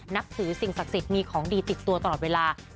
นับถือสิ่งศักดิ์สิทธิ์มีของดีติดตัวตลอดเวลา